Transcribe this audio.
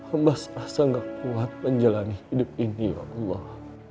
amba sangat kuat menjalani hidup ini ya allah